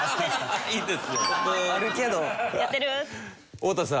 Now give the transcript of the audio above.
太田さん。